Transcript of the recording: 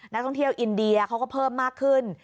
นักท่องเที่ยวอินเดียเขาก็เพิ่มมากขึ้น